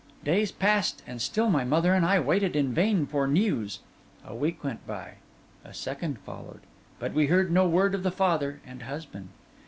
Days passed, and still my mother and I waited in vain for news; a week went by, a second followed, but we heard no word of the father and husband.